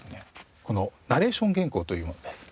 このナレーション原稿というものです。